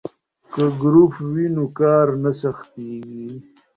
که ګروپ وي نو کار نه سختیږي.